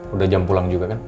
udah jam pulang juga kan